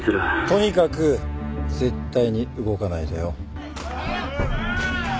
とにかく絶対に動かないでよ。